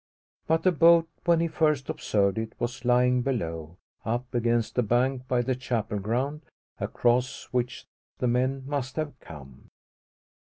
But the boat, when he first observed it, was lying below up against the bank by the chapel ground, across which the men must have come.